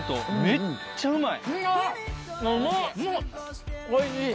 めっちゃうまい。